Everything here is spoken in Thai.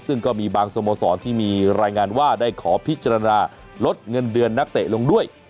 ซึ่งก็มีบางสโมสรที่มีรายงานว่าได้ขอพิจารณาลดเงินเดือนนักเตะลงด้วย